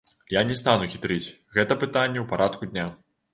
Я не стану хітрыць, гэта пытанне ў парадку дня.